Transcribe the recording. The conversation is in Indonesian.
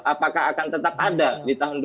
apakah akan tetap ada di tahun dua ribu dua puluh